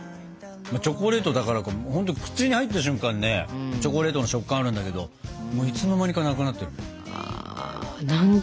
チョコレートだからかほんと口に入った瞬間ねチョコレートの食感あるんだけどもういつの間にかなくなってるね。